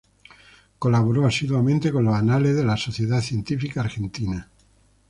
Colaboró asiduamente con los Anales de la Sociedad Científica Argentina.